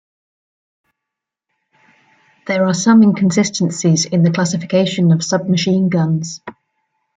There are some inconsistencies in the classification of submachine guns.